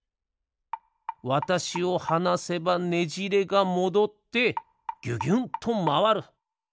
わたしをはなせばねじれがもどってぎゅぎゅんとまわる。